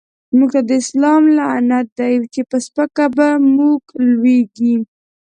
موږ ته هر سلام لعنت دی، چی په سپکه په موږ لويږی